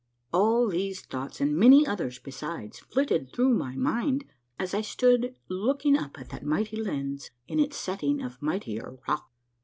All these thoughts and many others besides flitted through my mind as I stood looking up at that mighty lens in its setting of mightier rock.